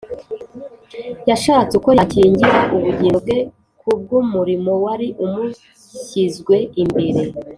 , yashatse uko yakingira ubugingo bwe kubw’umurimo wari umushyizwe imbere